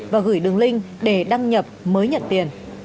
và gửi đường link để đăng nhập mới nhận tiền